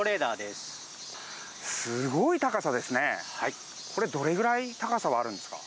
すごい高さですね。